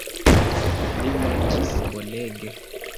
Ni manĝis bonege.